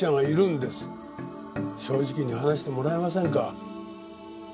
正直に話してもらえませんか？